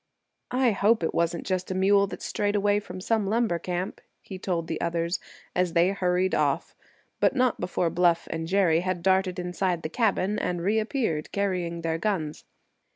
"I hope it wasn't just a mule that strayed away from some lumber camp," he told the others, as they hurried off; but not before Bluff and Jerry had darted inside the cabin and reappeared, carrying their guns.